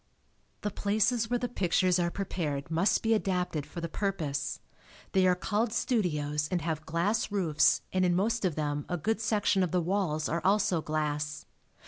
The places where the pictures are prepared must be adapted for the purpose. They are called studios and have glass roofs and in most of them a good section of the walls are also glass.